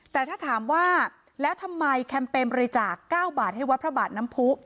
แต่ถ้าถามว่าแล้วทำไมแคมเปญบริจาค๙บาทให้วัดพระบาทน้ำผู้